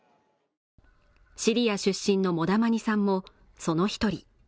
シリア出身のもモダマニさんもその１人。